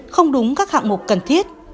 không đúng các hạng mục cần thiết